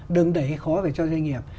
đừng đẩy gây khó về cho doanh nghiệp